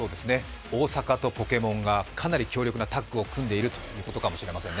大阪とポケモンがかなり強力なタッグを組んでいるということかもしれませんね。